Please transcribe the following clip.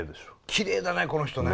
きれいだねこの人ね。